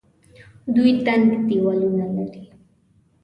دوی دنګ دیوالونه لري.